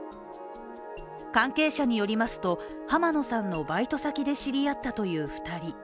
関係者によりますと濱野さんのバイト先で知り合ったという２人。